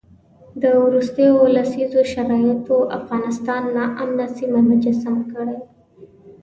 د وروستیو لسیزو شرایطو افغانستان ناامنه سیمه مجسم کړی.